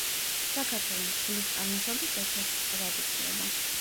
საქართველო მსხლის წარმოშობის ერთ-ერთ კერად ითვლება.